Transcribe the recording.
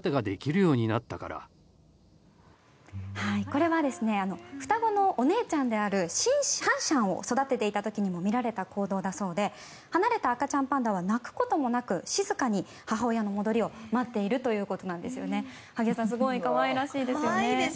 これは双子のお姉ちゃんであるシャンシャンを育てていた時にも見られた行動だそうで離れた赤ちゃんパンダは鳴くこともなく、静かに母親の戻りを待っているということなんです。